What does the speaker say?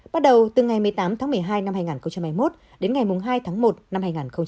bắt đầu từ ngày một mươi tám tháng một mươi hai năm hai nghìn hai mươi một đến ngày hai tháng một năm hai nghìn hai mươi